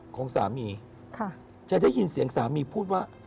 ของสามีจะได้ยินเสียงสามีพูดว่า